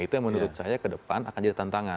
itu yang menurut saya ke depan akan jadi tantangan